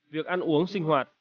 việc ăn uống sinh hoạt